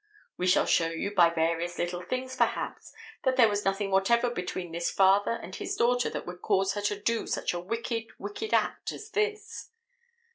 We shall show you by various little things, perhaps, that there was nothing whatever between this father and his daughter that would cause her to do such a wicked, wicked act as this.